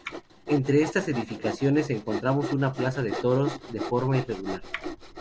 Entre estas edificaciones encontramos una plaza de toros de forma irregular.